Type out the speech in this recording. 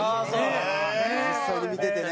実際に見ててね。